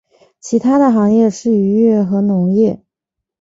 其它的行业是渔业和农业。